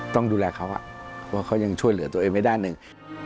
ต้องดูแลเขาเพราะเขายังช่วยเหลือตัวเองไว้ด้านหนึ่ง